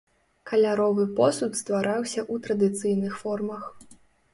Каляровы посуд ствараўся ў традыцыйных формах.